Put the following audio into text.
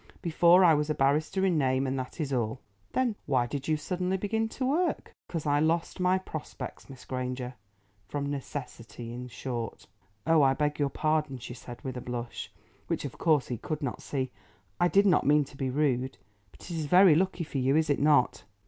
Before I was a barrister in name, and that is all." "Then why did you suddenly begin to work?" "Because I lost my prospects, Miss Granger—from necessity, in short." "Oh, I beg your pardon!" she said, with a blush, which of course he could not see. "I did not mean to be rude. But it is very lucky for you, is it not?"